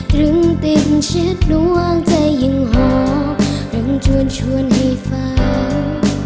ตรึงติดชิดหลวงใจยังหอบเริ่มจวนชวนให้ฝ่าย